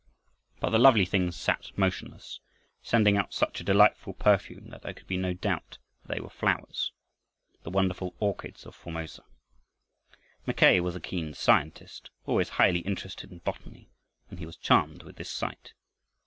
But the lovely things sat motionless, sending out such a delightful perfume that there could be no doubt that they were flowers, the wonderful orchids of Formosa! Mackay was a keen scientist, always highly interested in botany, and he was charmed with this sight.